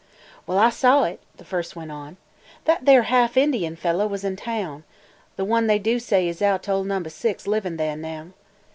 "Well, I saw it," the first went on. "That there half Indian fellah was in taown – th' one they do say is out to old Number Six livin' theah now.